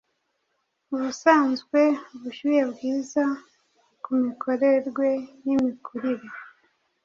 Ubusanzwe ubushyuhe bwiza ku mikorerwe n’imikurire